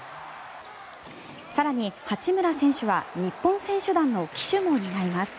更に、八村選手は日本選手団の旗手も担います。